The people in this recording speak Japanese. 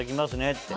って。